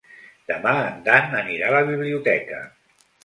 Demà en Dan anirà a la biblioteca.